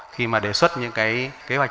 khi mà đề xuất những cái kế hoạch